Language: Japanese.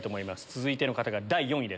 続いての方が第４位です。